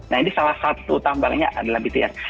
nah ini salah satu tambangnya adalah btr